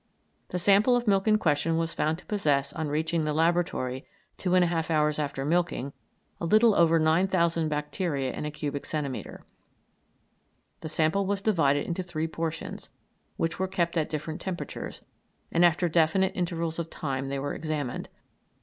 The sample of milk in question was found to possess on reaching the laboratory, two and a half hours after milking, a little over 9,000 bacteria in a cubic centimetre. The sample was divided into three portions, which were kept at different temperatures, and after definite intervals of time they were examined.